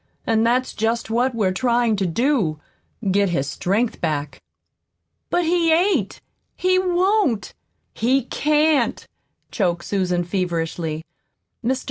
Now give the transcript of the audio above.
"And that's just what we're trying to do get his strength back." "But he ain't he won't he can't," choked Susan feverishly. "Mr.